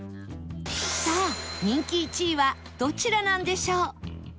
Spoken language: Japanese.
さあ人気１位はどちらなんでしょう？